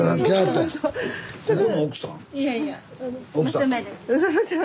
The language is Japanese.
いやいや娘です。